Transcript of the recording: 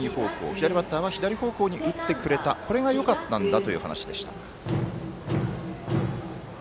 左バッターは左方向に打ってくれたこれがよかったんだという話でした。